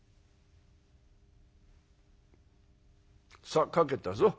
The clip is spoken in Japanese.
「さあ描けたぞ。